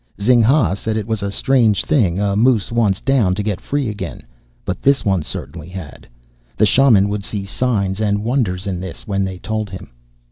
Zing ha said it was a strange thing, a moose once down to get free again; but this one certainly had. The shaman would see signs and wonders in this when they told him.